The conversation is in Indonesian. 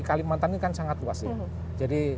kalimantan ini kan sangat luas ya jadi